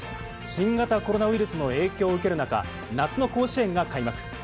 新型コロナウイルスの影響を受ける中、夏の甲子園が開幕。